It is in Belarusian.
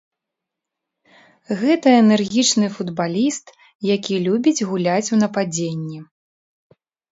Гэта энергічны футбаліст, які любіць гуляць у нападзенні.